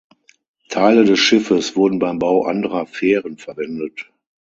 Teile des Schiffes wurden beim Bau anderer Fähren verwendet.